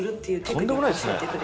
とんでもないですね。